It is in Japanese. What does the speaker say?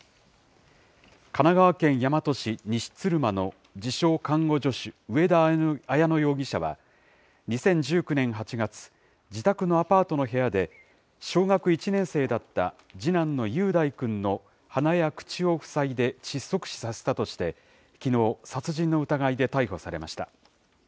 神奈川県大和市西鶴間の自称看護助手、上田綾乃容疑者は、２０１９年８月、自宅のアパートの部屋で、小学１年生だった次男の雄大君の鼻や口を塞いで窒息死させたとして、きのう、殺人の疑いで逮捕されました。